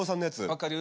分かる？